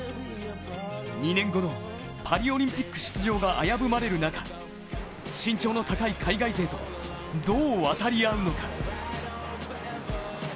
２年後のパリオリンピック出場が危ぶまれる中、身長の高い海外勢とどう渡り合うのか。